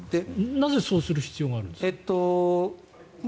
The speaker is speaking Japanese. なぜそうする必要があるんですか？